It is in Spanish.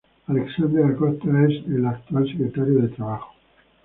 Alexander Acosta es el actual secretario de trabajo.